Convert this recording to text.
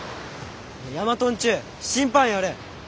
ヤマトンチュ審判やれ。